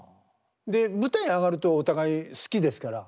で舞台上がるとお互い好きですから。